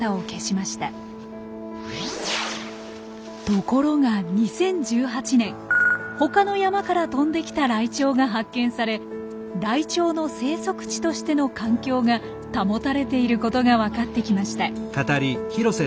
ところが２０１８年他の山から飛んで来たライチョウが発見されライチョウの生息地としての環境が保たれていることが分かってきました。